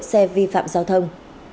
xe vi phạm giao thông